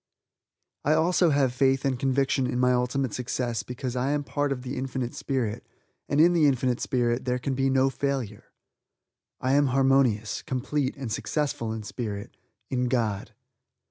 I also have faith and conviction in my ultimate success because I am a part of the Infinite Spirit, and in the Infinite Spirit, there can be no failure. I am harmonious, complete and successful in Spirit in God.